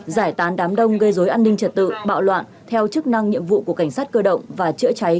giải tán đám đông gây dối an ninh trật tự bạo loạn theo chức năng nhiệm vụ của cảnh sát cơ động và chữa cháy